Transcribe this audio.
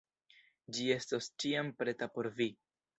Ĝi estos ĉiam preta por vi.